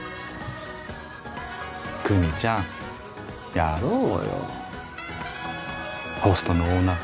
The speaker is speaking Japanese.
久美ちゃんやろうよホストのオーナー。